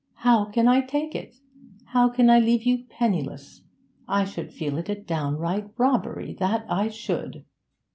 'How can I take it? How can I leave you penniless? I should feel it a downright robbery, that I should!'